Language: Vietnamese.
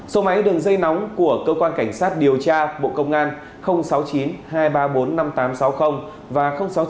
số máy đường dây nóng của cơ quan cảnh sát điều tra bộ công an sáu mươi chín hai trăm ba mươi bốn năm nghìn tám trăm sáu mươi và sáu mươi chín hai trăm ba mươi một sáu trăm bảy